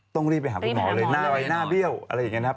ต้องรีบไปหาคุณหมอเลยหน้าไว้หน้าเบี้ยวอะไรอย่างนี้นะครับ